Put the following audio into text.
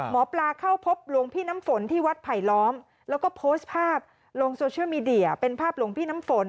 หมอปลาเข้าพบหลวงพี่น้ำฝนที่วัดไผลล้อมแล้วก็โพสต์ภาพลงโซเชียลมีเดียเป็นภาพหลวงพี่น้ำฝน